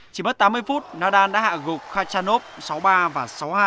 chỉ mất tám mươi phút nadal đã hạ gục khachanov sáu ba và sáu hai